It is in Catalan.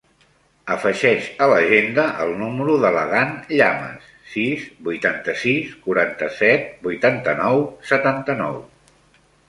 Afegeix a l'agenda el número de l'Adán Llamas: sis, vuitanta-sis, quaranta-set, vuitanta-nou, setanta-nou.